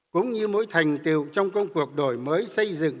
cũng như mối thành tiêu trong công cuộc đổi mới xây dựng